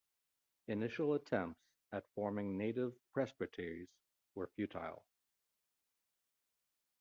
Initial attempts at forming native Presbyteries were futile.